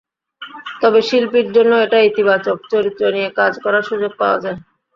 তবে শিল্পীর জন্য এটা ইতিবাচক—চরিত্র নিয়ে কাজ করার সুযোগ পাওয়া যায়।